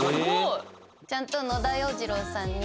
ちゃんと野田洋次郎さんに。